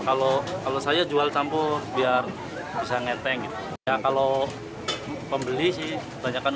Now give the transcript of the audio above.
kalau kalau saya jual campur biar bisa ngeteng gitu ya kalau pembeli sih banyakan